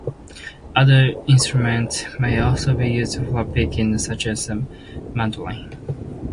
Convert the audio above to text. Other instruments may also be used in flatpicking, such as the mandolin.